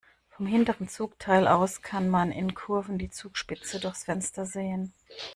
Vom hinteren Zugteil aus kann man in Kurven die Zugspitze durchs Fenster sehen.